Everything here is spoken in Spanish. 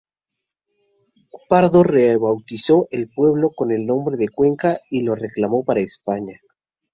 Pardo rebautizó el pueblo con el nombre de Cuenca y lo reclamó para España.